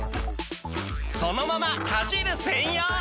そのままかじる専用！